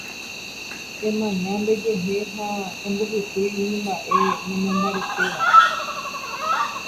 Emaña ndejehe ha embohysýi umi mba'e nemombaretéva